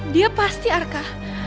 dia pasti arka